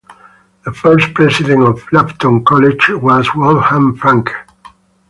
The first president of Lambton College was Wolfgang Franke.